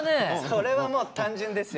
それはもう単純ですよ。